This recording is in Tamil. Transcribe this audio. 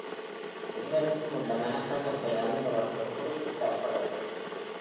இருவருக்கும் உள்ள மனக்கசப்பை அறிந்தவள் என்ற குறிப்புத் தரப்படுகிறது.